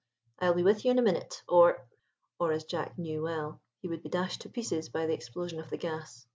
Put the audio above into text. I will be with you in a minute, or—" or, as Jack knew well, he would be dashed to pieces by the explosion of the gas.